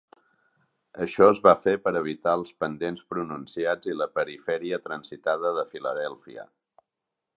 Això es va fer per evitar els pendents pronunciats i la perifèria transitada de Filadèlfia.